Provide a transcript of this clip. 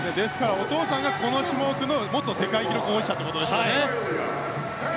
お父さんがこの種目の元世界記録保持者ですね。